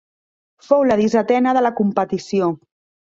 Fou la dissetena de la competició.